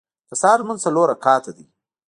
د سهار لمونځ څلور رکعته دی.